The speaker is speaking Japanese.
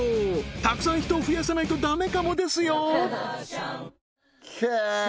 たくさん人を増やさないとダメかもですよへえ！